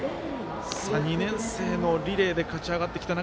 ２年生のリレーで勝ち上がってきた中